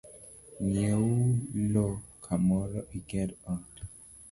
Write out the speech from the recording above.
Ng’ieu lo kamoro iger ot